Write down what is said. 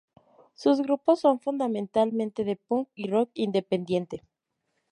Sus grupos son fundamentalmente de Punk y Rock independiente.